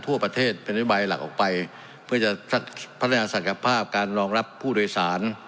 ทั่วประเทศเป็นนโยบายหลักออกไปเพื่อจะพัฒนาศักยภาพการรองรับผู้โดยสาร